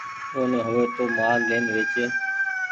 او ني هووي تو مآل لين ويچي۔